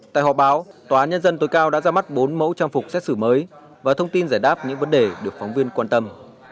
tại họp báo tòa nhân dân tối cao đã ra mắt bốn mẫu trang phục xét xử mới và thông tin giải đáp những vấn đề được phóng viên quan tâm